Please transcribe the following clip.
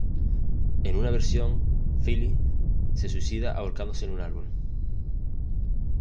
En una versión, Filis se suicida ahorcándose en un árbol.